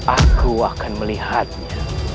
aku akan melihatnya